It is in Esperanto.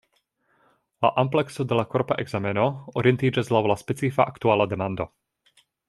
La amplekso de la korpa ekzameno orientiĝas laŭ la specifa aktuala demando.